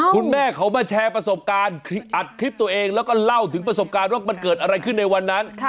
คุณแม่เขามาแชร์ประสบการณ์อัดคลิปตัวเองแล้วก็เล่าถึงประสบการณ์ว่ามันเกิดอะไรขึ้นในวันนั้น